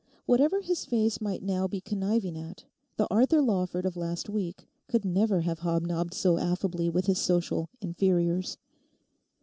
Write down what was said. Whatever his face might now be conniving at, the Arthur Lawford of last week could never have hob nobbed so affably with his social 'inferiors.